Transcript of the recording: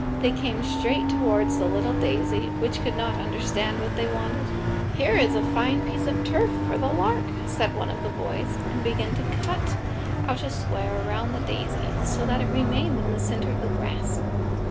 They came straight towards the little daisy, which could not understand what they wanted. "Here is a fine piece of turf for the lark," said one of the boys, and began to cut out a square round the daisy, so that it remained in the centre of the grass.